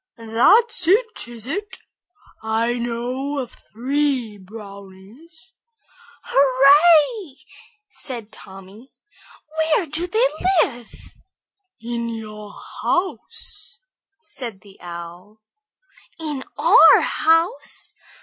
"That's it, is it? I know of three brownies." "Hurrah!" said Tommy. "Where do they live?" "In your house," said the Owl. "In our house!